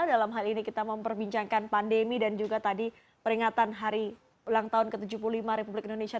dalam hal ini kita memperbincangkan pandemi dan juga tadi peringatan hari ulang tahun ke tujuh puluh lima republik indonesia